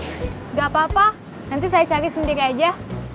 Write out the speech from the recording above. tidak apa apa nanti saya cari sendiri aja